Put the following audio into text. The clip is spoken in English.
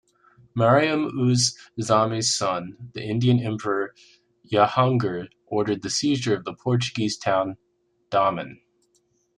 Mariam-uz-Zamani's son, the Indian emperor Jahangir, ordered the seizure of the Portuguese town Daman.